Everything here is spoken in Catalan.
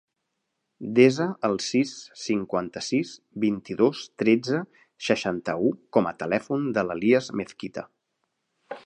Desa el sis, cinquanta-sis, vint-i-dos, tretze, seixanta-u com a telèfon de l'Elías Mezquita.